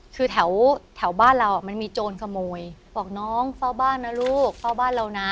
คือแถวบ้านเรามันมีโจรขโมยบอกน้องเฝ้าบ้านนะลูกเฝ้าบ้านเรานะ